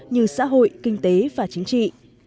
như xã hội kinh tế và chính trị